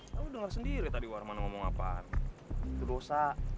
kamu dengar sendiri tadi warman ngomong apaan itu dosa